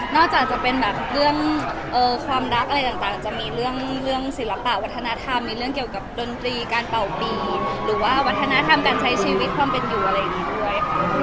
จากจะเป็นแบบเรื่องความรักอะไรต่างจะมีเรื่องศิลปะวัฒนธรรมมีเรื่องเกี่ยวกับดนตรีการเป่าปีหรือว่าวัฒนธรรมการใช้ชีวิตความเป็นอยู่อะไรอย่างนี้ด้วยค่ะ